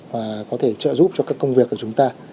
và có thể trợ giúp cho các công việc của chúng ta